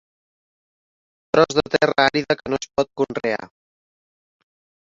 Tros de terra àrida que no es pot conrear.